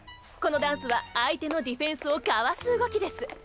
このダンスは相手のディフェンスをかわす動きです。